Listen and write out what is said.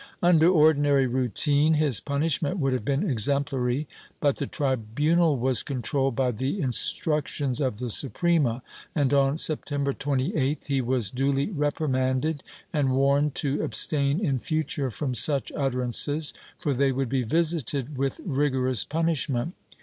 Under ordinary routine his punishment would have been exemplary, but the tribunal was controlled by the instructions of the Suprema and, on September 2Sth, he was duly reprimanded and warned to abstain in future from such utterances, for they would be visited with rigorous punishment.